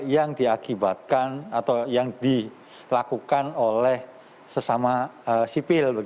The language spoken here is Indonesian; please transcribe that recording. yang diakibatkan atau yang dilakukan oleh sesama sipil